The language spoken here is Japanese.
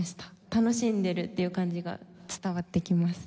楽しんでるっていう感じが伝わってきます。